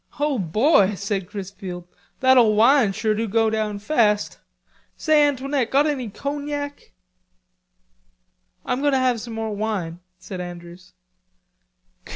"Oh, boy," said Chrisfield. "That ole wine sure do go down fast.... Say, Antoinette, got any cognac?" "I'm going to have some more wine," said Andrews.